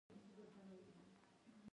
دوهم د کمپیوټر په مرسته ډیزاین دی.